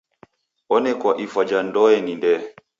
Onekwa ifwa ja ndoe ni ndee.